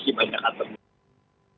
satu partai yang akan diincarkan belum pernah